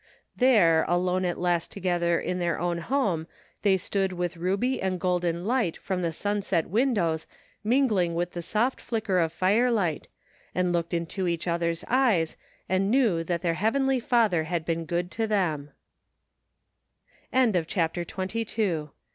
There alone at last together in their own home they stood with ruby and golden light from the sunset windows mingling with the soft flicker of firelight, and looked into each other's eyes and knew that their heavenly Father had been gjBft^jbgj|^l|mn.